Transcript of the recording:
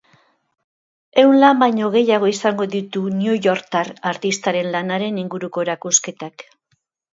Ehun lan baino gehiago izango ditu newyorktar artistaren lanaren inguruko erakusketak.